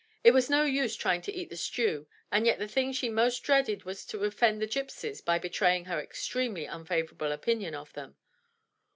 It was no use trying to eat the stew and yet the thing she most dreaded was to offend the gypsies by betraying her extremely unfavorable opinion of them.